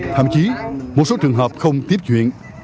thậm chí một số trường hợp không tiếp chuyển